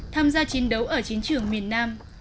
tham gia chiến đấu ở chiến trường miền nam